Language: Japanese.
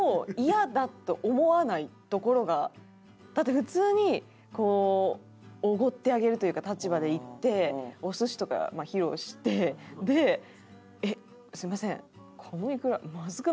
だって普通におごってあげるというか立場で行ってお寿司とか披露して「えっすみません」。